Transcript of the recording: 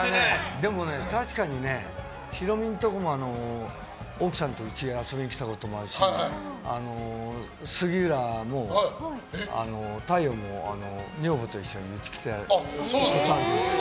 確かにヒロミのところも奥さんとうちに遊びに来たことあるし杉浦太陽も女房と一緒にうち来たことある。